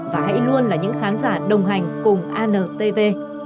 và hãy luôn là những khán giả đồng hành cùng antv